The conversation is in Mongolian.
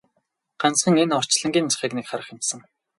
Ганцхан энэ орчлонгийн захыг нэг харах юмсан!